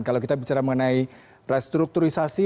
kalau kita bicara mengenai restrukturisasi